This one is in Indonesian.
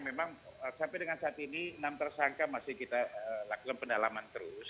memang sampai dengan saat ini enam tersangka masih kita lakukan pendalaman terus